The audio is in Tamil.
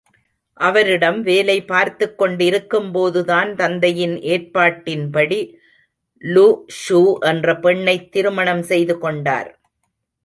அவரிடம் வேலை பார்த்துக்கொண்டிருக்கும்போதுதான் தந்தையின் ஏற்பாட்டின்படி லு ஷு என்ற பெண்ணைத் திருமணம் செய்துகொண்டார்.